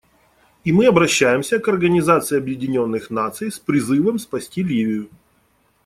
И мы обращаемся к Организации Объединенных Наций с призывом спасти Ливию.